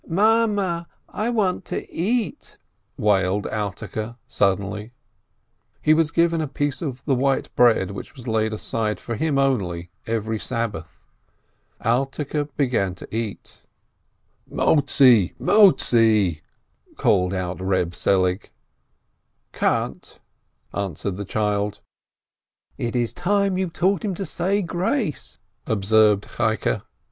"Mame, I want to eat !" wailed Alterke, suddenly. He was given a piece of the white bread which was laid aside, for him only, every Sabbath. Alterke began to eat. "Who bringest forth! Who bringest forth!" called out Eeb Selig. "Tan't !" answered the child. "It is time you taught him to say grace," observed Cheike.